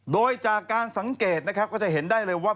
โดยจากการสังเกตนะครับก็จะเห็นได้เลยว่า